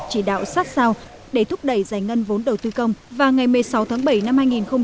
chỉ đạo sát sao để thúc đẩy giải ngân vốn đầu tư công và ngày một mươi sáu tháng bảy năm hai nghìn hai mươi